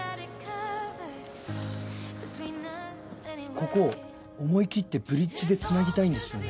ここ思い切ってブリッジで繋ぎたいんですよね。